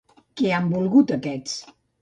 Què han volgut aquests?